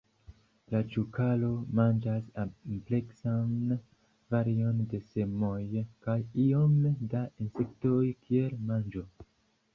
La Ĉukaro manĝas ampleksan varion de semoj kaj iome da insektoj kiel manĝo.